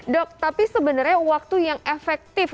dok tapi sebenarnya waktu yang efektif